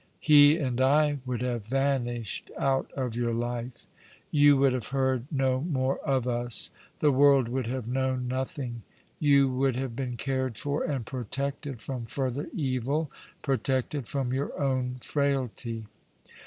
Pc and I would have vanished out of your life, You would 196 All along the River, have heard no more of us. The world would have known nothing. You would have been cared for and protected from further evil— protected from your own frailty.